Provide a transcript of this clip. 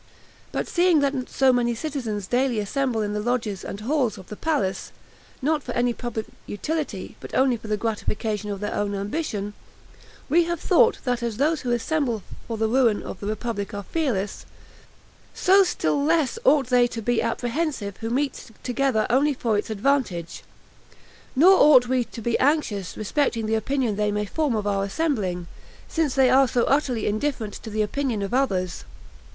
But seeing that so many citizens daily assemble in the lodges and halls of the palace, not for any public utility, but only for the gratification of their own ambition, we have thought that as those who assemble for the ruin of the republic are fearless, so still less ought they to be apprehensive who meet together only for its advantage; nor ought we to be anxious respecting the opinion they may form of our assembling, since they are so utterly indifferent to the opinion of others.